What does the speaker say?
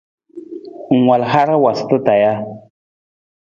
Ng wal hara waasata taa ja?